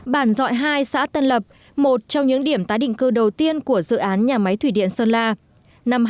bản dọi hai xã tân lập một trong những điểm tái định cư đầu tiên của dự án nhà máy thủy điện sơn la